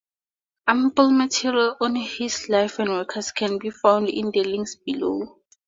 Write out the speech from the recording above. Ample material on his life and works can be found in the links below.